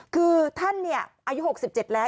คือท่านเนี่ยเอายุหกสิบเจ็ดแล้ว